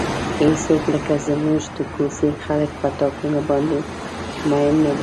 هیڅوک لکه زموږ د کوڅې خلک په ټاکنو باندې مین نه دي.